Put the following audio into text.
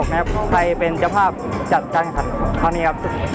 นะคระตามกำลังเสกกับอิตาลี